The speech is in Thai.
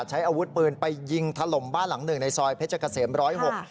ใช้อาวุธปืนไปยิงถล่มบ้านหลังหนึ่งในซอยเพชรเกษมร้อยหก